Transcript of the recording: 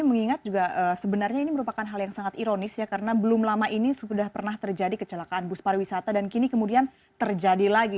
mengingat juga sebenarnya ini merupakan hal yang sangat ironis ya karena belum lama ini sudah pernah terjadi kecelakaan bus pariwisata dan kini kemudian terjadi lagi